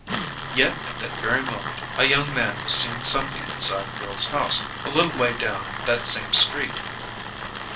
Yet at that very moment a young man was seeing something inside a girl's house a little way down that same street.